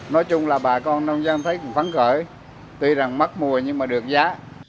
nói chung là bà con nông dân thấy cũng phán khởi tuy rằng mắc mua nhưng mà được giá